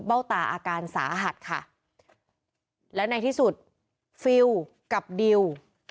เบ้าตาอาการสาหัสค่ะแล้วในที่สุดกับเกลียด